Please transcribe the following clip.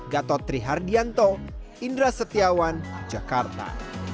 gatotri hardianto indra setiawan jakarta